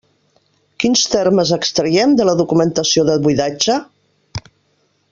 Quins termes extraiem de la documentació de buidatge?